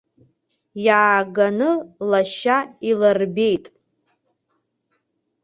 Иааганы лашьа илырбеит.